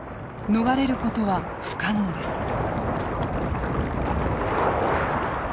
逃れることは不可能です。